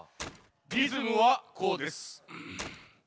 リズムはこうです。